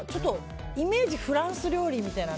イメージ、フランス料理みたいな。